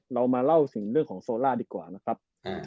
เรามาเล่าสิ่งเรื่องของโซล่าดีกว่านะครับ